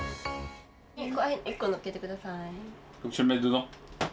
１個のっけて下さい。